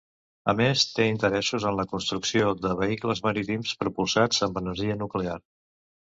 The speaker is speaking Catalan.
A més, té interessos en la construcció de vehicles marítims propulsats amb energia nuclear.